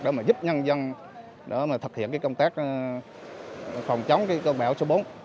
để giúp nhân dân thực hiện công tác phòng chống cơn bão số bốn